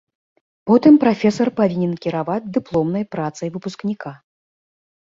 Потым прафесар павінен кіраваць дыпломнай працай выпускніка.